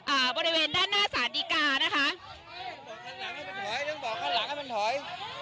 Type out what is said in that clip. อ่าบริเวณด้านหน้าสารดีกานะคะบอกข้างหลังให้มันถอยถึงบอกข้างหลังให้มันถอย